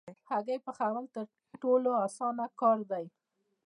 هګۍ پخول تر ټولو اسانه کار دی.